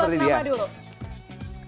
bang susah cio